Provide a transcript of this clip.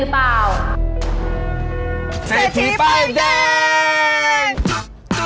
กลับเข้าสู่รายการเสพทีป้ายแดงกันอีกครั้ง